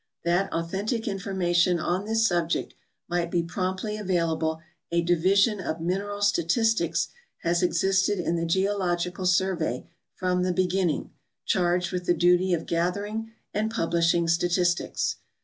That authentic information on this subject might be promptly available a division of mineral statistics has existed in the Geo logical Survey from the beginning, charged with the duty of gathering and publishing statistics.